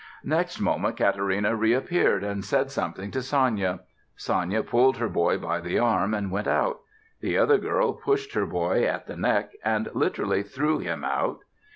Next moment Katarina reappeared, and said something to Sanya. Sanya pulled her boy by the arm, and went out. The other girl pushed her boy at the neck and literally threw him out.